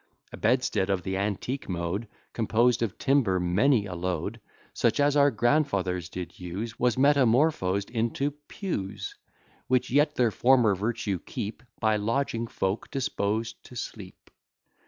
A bedstead of the antique mode, Composed of timber many a load, Such as our grandfathers did use, Was metamorphos'd into pews; Which yet their former virtue keep By lodging folk disposed to sleep.